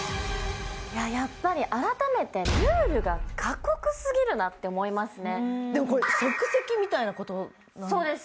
やっぱり改めてルールが過酷すぎるなって思いますねでもこれ即席みたいなことそうです